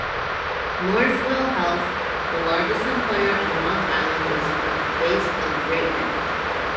Northwell Health, the largest employer on Long Island, is based in Great Neck.